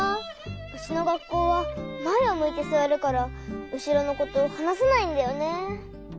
うちのがっこうはまえをむいてすわるからうしろのことはなせないんだよね。